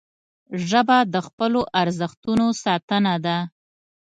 ژبه د خپلو ارزښتونو ساتنه ده